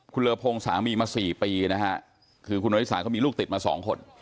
คุณเลอพงสามีมา๔ปีนะฮะคือคุณวริสาเขามีลูกติดมาสองคน